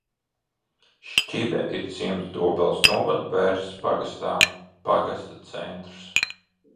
Šķibe ir ciems Dobeles novada Bērzes pagastā, pagasta centrs.